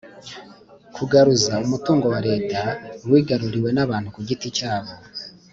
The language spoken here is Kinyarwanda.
kugaruza umutungo wa leta wigarurirwe n abantu ku giti cyabo